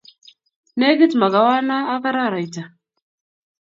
Negit makawanno ak araraita